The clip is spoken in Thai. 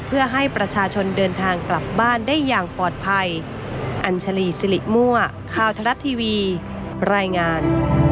เพื่อให้ประชาชนเดินทางกลับบ้านได้อย่างปลอดภัย